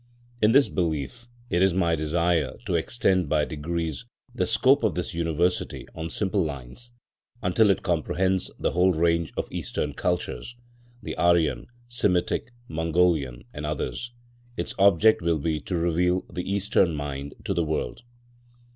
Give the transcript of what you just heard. In this belief, it is my desire to extend by degrees the scope of this University on simple lines, until it comprehends the whole range of Eastern cultures—the Aryan, Semitic, Mongolian and others. Its object will be to reveal the Eastern mind to the world.